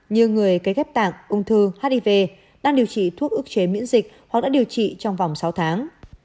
như người cấy ghép tạng ung thư hiv đang điều trị thuốc ước chế miễn dịch hoặc đã điều trị trong vòng sáu tháng